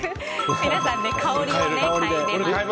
皆さん、香りをかいでいますが。